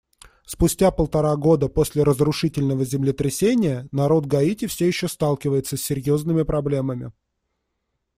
Спустя полтора года после разрушительного землетрясения народ Гаити все еще сталкивается с серьезными проблемами.